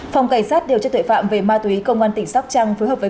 phòng cảnh sát điều trị tuệ phạm về ma túy công an tỉnh sóc trăng với